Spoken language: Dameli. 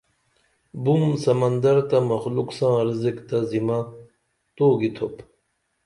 بُم سمندر تہ مخلوق ساں رزق تہ زمہ تو گِتُوپ